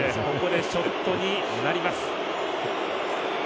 ショットになります。